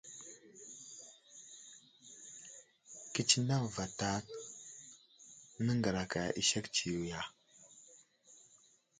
Kətsineŋ vatak nəŋgəraka i sek tsiyo ya ?